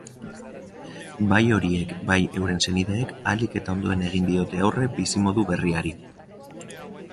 Bai horiek bai euren senideek ahalik eta ondoen egin diote aurre bizimodu berriari.